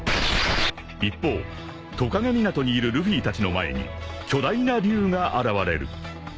［一方常影港にいるルフィたちの前に巨大な龍が現れる］